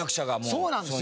そうなんですよ。